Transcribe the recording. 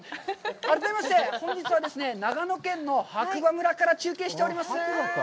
改めまして、本日は長野県の白馬村から中継しておりますー。